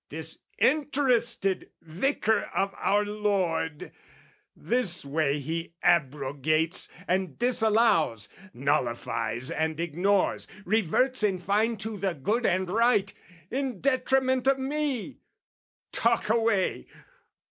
Disinterested Vicar of our Lord, This way he abrogates and disallows, Nullifies and ignores, reverts in fine To the good and right, in detriment of me! Talk away!